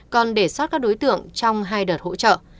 còn để sót các đối tượng trong hai đợt hỗ trợ